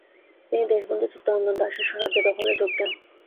তিনি দেশবন্ধু চিত্তরঞ্জন দাশের স্বরাজ্য দলে যোগ দেন।